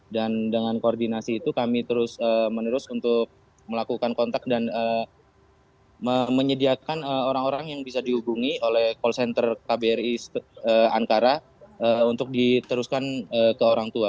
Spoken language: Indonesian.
dan dengan koordinasi itu kami terus menerus untuk melakukan kontak dan menyediakan orang orang yang bisa dihubungi oleh call center kbri ankara untuk diteruskan ke orang tua